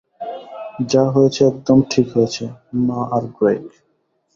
যা হয়েছে একদম ঠিক হয়েছে, মা আর গ্রেগ।